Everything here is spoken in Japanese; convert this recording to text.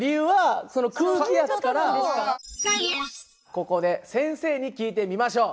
ここで先生に聞いてみましょう。